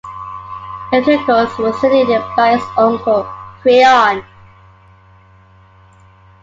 Eteocles was succeeded by his uncle, Creon.